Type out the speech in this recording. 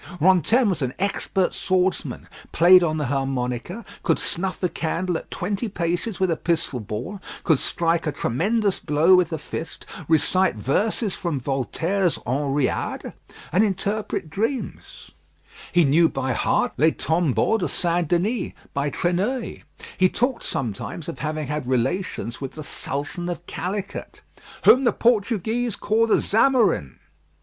Rantaine was an expert swordsman, played on the harmonica, could snuff a candle at twenty paces with a pistol ball, could strike a tremendous blow with the fist, recite verses from Voltaire's Henriade, and interpret dreams; he knew by heart Les Tombeaux de Saint Denis, by Treneuil. He talked sometimes of having had relations with the Sultan of Calicut, "whom the Portuguese call the Zamorin."